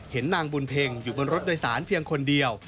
นางบุญเพ็งอยู่บนรถโดยสารเพียงคนเดียว